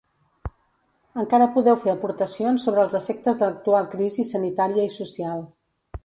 Encara podeu fer aportacions sobre els efectes de l'actual crisi sanitària i social.